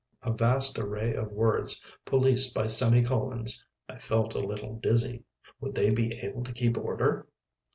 A vast array of words policed by semi colons. I felt a little dizzy. Would they be able to keep order?